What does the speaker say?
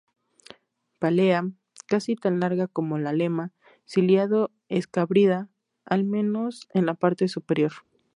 Pálea casi tan larga como la lema, ciliado-escábrida al menos en la parte superior.